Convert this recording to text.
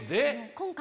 今回。